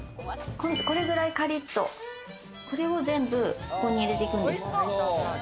これぐらいカリッと、これを全部ここに入れていくんですけど。